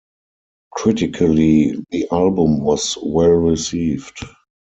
Critically, the album was well received.